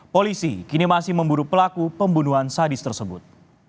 polisi kini masih memburu pelaku pembunuhan sadis tersebut